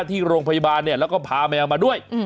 ที่โรงพยาบาลแล้วก็พาแมวมาด้วย